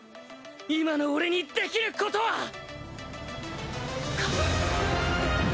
今の俺にできることは